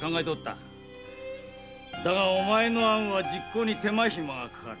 だがお前の案は実行に手間がかかる。